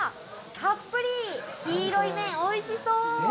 たっぷり黄色い麺、おいしそう！